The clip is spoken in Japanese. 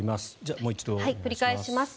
もう一度お願いします。